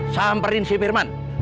samperin si firman